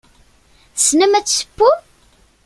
Tessnem ad tessewwem?